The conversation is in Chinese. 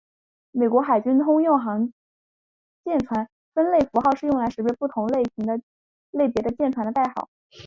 美国海军通用舰船分类符号是用来识别不同类别的舰船的代号。